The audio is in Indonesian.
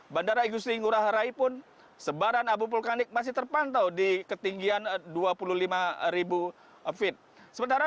bandara igusti ngurah rai pun sebaran abu vulkanik masih terpantau di ketinggian dua puluh lima feet sementara